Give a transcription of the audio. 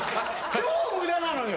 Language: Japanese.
超無駄なのよ！